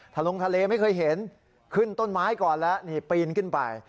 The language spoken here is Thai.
ลงทะเลไม่เคยเห็นขึ้นต้นไม้ก่อนแล้วนี่ปีนขึ้นไป